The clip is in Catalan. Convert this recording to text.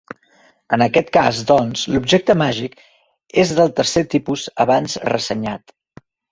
En aquest cas doncs, l'objecte màgic és del tercer tipus abans ressenyat.